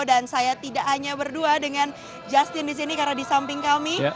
dan saya tidak hanya berdua dengan justin disini karena disamping kami